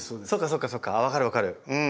そうかそうか分かる分かる。